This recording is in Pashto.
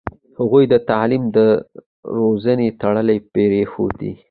هغوی د تعلیم دروازې تړلې پرېښودې.